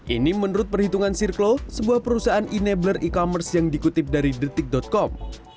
ini menurut perhitungan circlo sebuah perusahaan enabler e commerce yang dikutip dari detik com